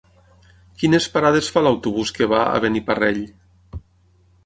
Quines parades fa l'autobús que va a Beniparrell?